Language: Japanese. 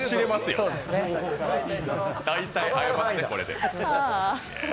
大体会えますね、これで。